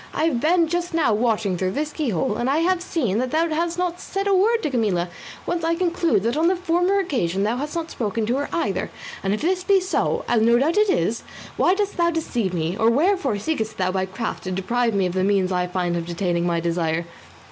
I have been just now watching through this keyhole, and I have seen that thou has not said a word to Camilla, whence I conclude that on the former occasions thou hast not spoken to her either, and if this be so, as no doubt it is, why dost thou deceive me, or wherefore seekest thou by craft to deprive me of the means I might find of attaining my desire?"